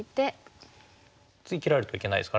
次切られるといけないですからね